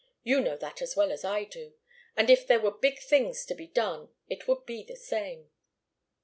You know that as well as I do. And if there were big things to be done, it would be the same."